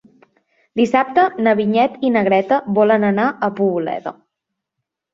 Dissabte na Vinyet i na Greta volen anar a Poboleda.